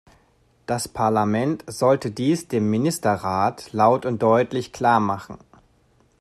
Das Parlament sollte dies dem Ministerrat laut und deutlich klarmachen.